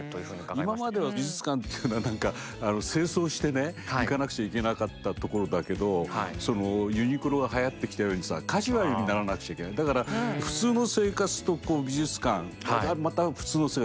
今までは美術館っていうのは何か正装してね行かなくちゃいけなかったところだけどユニクロがはやってきたようにさだから普通の生活と美術館また普通の生活。